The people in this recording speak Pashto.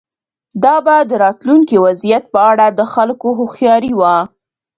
دا به د راتلونکي وضعیت په اړه د خلکو هوښیاري وه.